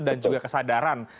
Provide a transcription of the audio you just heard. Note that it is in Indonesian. dan juga kesadaran